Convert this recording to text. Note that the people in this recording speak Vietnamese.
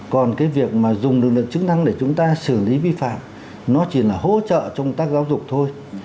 còn cái việc mà dùng lực lượng chức năng để chúng ta xử lý vi phạm nó chỉ là hỗ trợ trong công tác giáo dục thôi